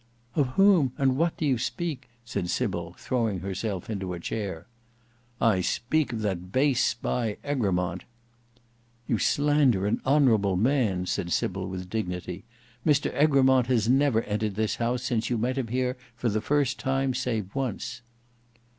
"Of whom and what do you speak?" said Sybil, throwing herself into a chair. "I speak of that base spy Egremont." "You slander an honourable man," said Sybil with dignity. "Mr Egremont has never entered this house since you met him here for the first time; save once."